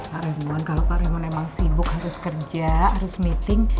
pak ridwan kalau pak rimon emang sibuk harus kerja harus meeting